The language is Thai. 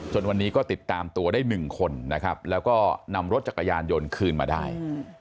วันนี้ก็ติดตามตัวได้๑คนนะครับแล้วก็นำรถจักรยานยนต์คืนมาได้